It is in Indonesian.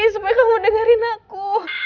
supaya kamu dengerin aku